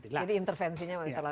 jadi intervensinya terlalu besar ya